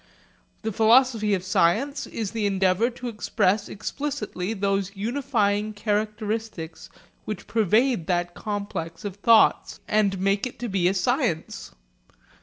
The philosophy of a science is the endeavour to express explicitly those unifying characteristics which pervade that complex of thoughts and make it to be a science.